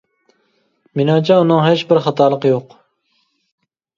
مېنىڭچە ئۇنىڭ ھېچ بىر خاتالىقى يوق.